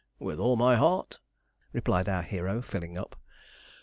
'With all my heart,' replied our hero, filling up.